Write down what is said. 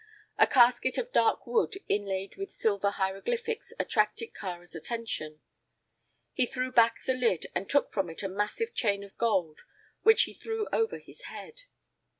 A casket of dark wood inlaid with silver hieroglyphics attracted Kāra's attention. He threw back the lid and took from it a massive chain of gold, which he threw over his head.